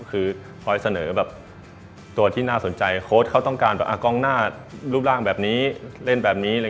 คือคอยเสนอแบบตัวที่น่าสนใจโค้ดเขาต้องการแบบกล้องหน้ารูปร่างแบบนี้เล่นแบบนี้